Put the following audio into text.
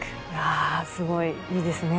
あすごいいいですね。